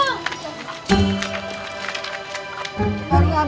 maurin abis jogging juga ya